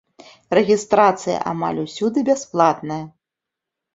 Рэгістрацыя амаль усюды бясплатная.